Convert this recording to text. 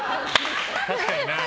確かにな。